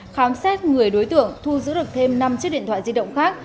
khám xét người đối tượng thu giữ được thêm năm chiếc điện thoại di động khác